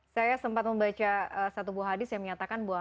saya sempat membaca satu buah hadis yang menyatakan bahwa